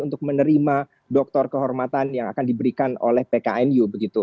untuk menerima doktor kehormatan yang akan diberikan oleh pknu